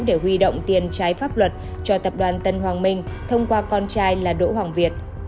để huy động tiền trái pháp luật cho tập đoàn tân hoàng minh thông qua con trai là đỗ hoàng việt